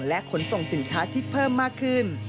และขนส่งสินค้าที่เพิ่มมากขึ้น